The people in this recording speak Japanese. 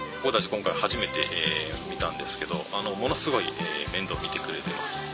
今回初めて見たんですけどものすごい面倒見てくれてます。